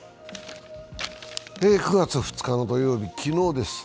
９月２日の土曜日、昨日です。